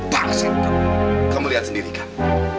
palesin kamu kamu lihat sendiri kamu